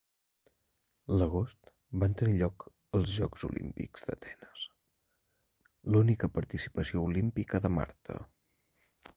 L'agost van tenir lloc els Jocs Olímpics d'Atenes, l'única participació olímpica de Marta.